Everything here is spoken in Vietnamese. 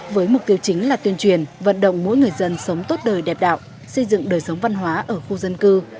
với mục tiêu chính là tuyên truyền vận động mỗi người dân sống tốt đời đẹp đạo xây dựng đời sống văn hóa ở khu dân cư